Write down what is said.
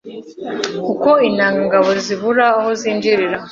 kuko intangagabo zibura aho zinjirira